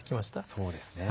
そうですね。